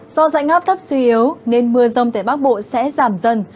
do dạnh áp thấp suy yếu nên mưa rông tại bắc bộ sẽ giảm dần